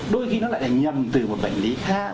đôi khi nó lại là nhầm từ một bệnh lý khác